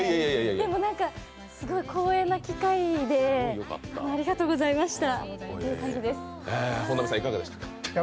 でも、すごい光栄な機会でありがとうございました。